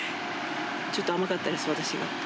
ちょっと甘かったです、私が。